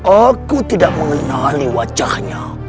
aku tidak mengenali wajahnya